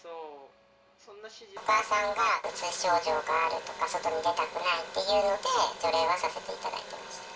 お母さんがうつ症状があるとか、外に出たくないというので、除霊はさせていただいてました。